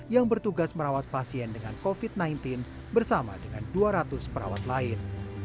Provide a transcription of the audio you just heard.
yang bertugas merawat pasien dengan covid sembilan belas bersama dengan dua ratus perawat lain